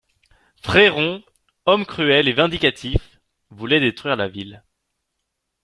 Fréron, homme cruel et vindicatif, voulait détruire la ville.